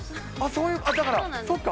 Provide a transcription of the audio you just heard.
そういう、だから、そっか。